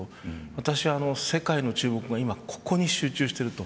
私は世界の注目がここに集中していると。